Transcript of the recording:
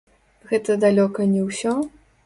Гэта далёка не ўсё?